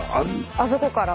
あそこから。